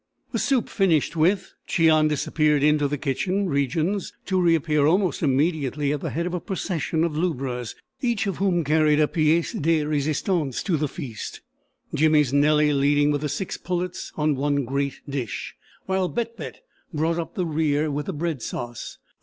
The soup finished with, Cheon disappeared into the kitchen regions, to reappear almost immediately at the head of a procession of lubras, each of whom carried a piece de resistance to the feast: Jimmy's Nellie leading with the six pullets on one great dish, while Bett Bett brought up the rear with the bread sauce.